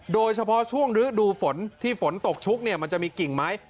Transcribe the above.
โดยเฉพาะช่วงฤดูฝนที่ฝนตกชุกเนี่ยมันจะมีกิ่งไม้